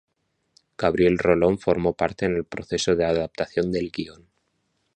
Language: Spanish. Gabriel Rolón formó parte en el proceso de adaptación del guión.